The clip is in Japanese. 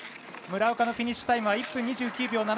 村岡のフィニッシュタイムは１分２９秒７７。